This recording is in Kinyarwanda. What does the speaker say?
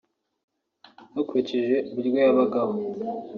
bakurikije uburyo yabagaho